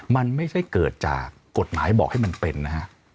มันไม่ใช่เกิดจากกฎหมายบอกให้มันเป็นนะฮะ